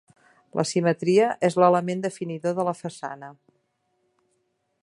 La simetria és l'element definidor de la façana.